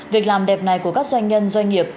việc làm đẹp này của các doanh nhân doanh nghiệp